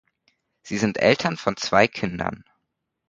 Sie sind Eltern von zwei Kindern.